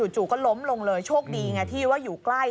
จู่ก็ล้มลงเลยโชคดีไงที่ว่าอยู่ใกล้